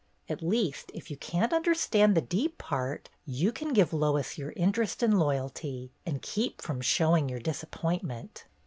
At least, if you can't understand the deep part, you can give Lois your interest and loyalty, and keep from showing your disappointment."